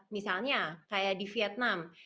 misalnya kayak di vietnam